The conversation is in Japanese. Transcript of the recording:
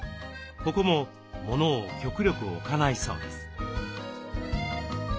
ここもモノを極力置かないそうです。